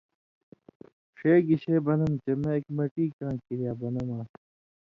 ݜے گِشےۡ بنم چےۡ مہ ایک مٹی کاں کریا بنم آن٘س۔